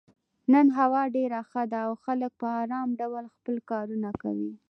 نن هوا ډېره ښه ده او خلک په ارام ډول خپل کارونه کوي.